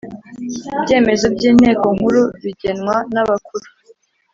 Ibyemezo by’ Inteko Nkuru bigenwa nabakuru.